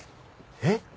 えっ！？